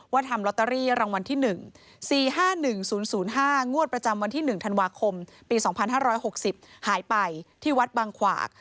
ทำลอตเตอรี่รางวัลที่๑๔๕๑๐๐๕งวดประจำวันที่๑ธันวาคมปี๒๕๖๐หายไปที่วัดบางขวาก